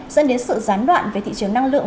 dẫn đến sự gián đoạn về thị trường năng lượng